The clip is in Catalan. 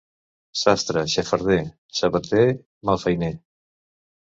Sastre, xafarder; sabater, malfeiner.